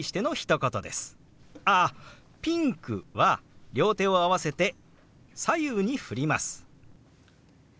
あっ「ピンク」は両手を合わせて左右にふります。